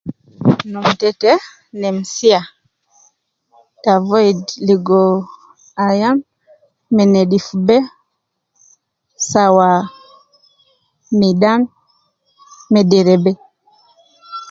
Num tete nemsiya to avoid ligo ayan, me nedif bee, sawa midan, me dere bee